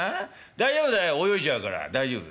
「大丈夫だよ泳いじゃうから大丈夫」。